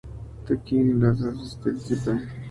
The Qing Landscape Enterprise".